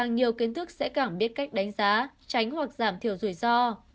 nhiều kiến thức sẽ càng biết cách đánh giá tránh hoặc giảm thiểu rủi ro